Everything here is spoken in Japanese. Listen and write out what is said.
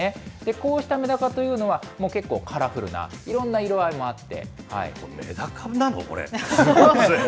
こうしたメダカというのは、結構カラフルないろんな色合いもあって。